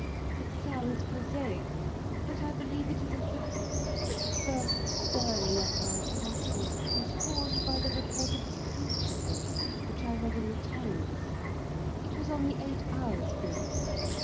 It sounds prosaic, but I believe it is a fact that the first stirring of my pulses was caused by the report of a speech of his which I read in the Times. It was on the Eight Hours' Bill.